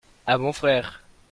à mon frère.